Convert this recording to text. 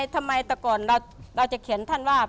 ทำไมแต่ก่อนเราจะเขียนท่านว่า